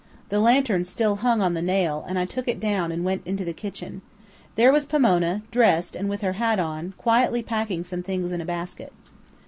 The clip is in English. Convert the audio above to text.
The lantern still hung on the nail, and I took it down and went into the kitchen. There was Pomona, dressed, and with her hat on, quietly packing some things in a basket.